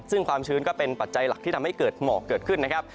ซึ่งความชื้นก็เป็นปัจจัยหลักที่ทำให้เกิดหมอกเกิดขึ้นนะครับ